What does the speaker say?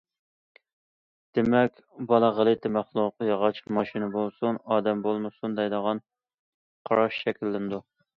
دېمەك بالا غەلىتە مەخلۇق، ياغاچ، ماشىنا بولسۇن، ئادەم بولمىسۇن دەيدىغان قاراش شەكىللىنىدۇ.